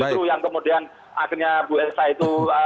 justru yang kemudian akhirnya bu elsa itu